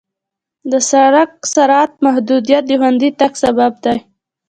د سړک سرعت محدودیت د خوندي تګ سبب دی.